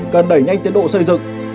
cần đẩy nhanh tiến độ xây dựng